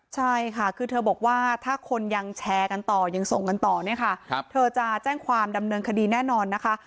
ใช่ค่ะคือเธอบอกว่าถ้าคนยังแชร์กันต่อยังส่งกันต่อเนี่ยค่ะเธอจะแจ้งความดำเนินคดีแน่นอนนะคะ